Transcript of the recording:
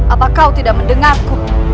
apa kau tidak mendengarku